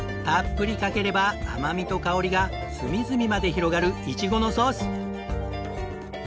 たっぷりかければ甘味と香りが隅々まで広がるイチゴのソース。